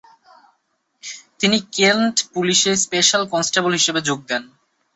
তিনি কেন্ট পুলিশে special constable হিসেবে যোগ দেন।